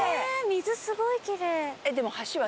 水すごいキレイ！